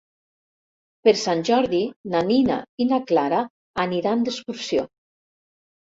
Per Sant Jordi na Nina i na Clara aniran d'excursió.